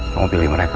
kau pilih mereka